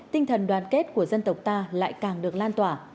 tinh thần đoàn kết của dân tộc ta lại càng được lan tỏa